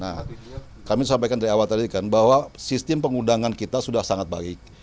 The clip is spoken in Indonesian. nah kami sampaikan dari awal tadi kan bahwa sistem pengundangan kita sudah sangat baik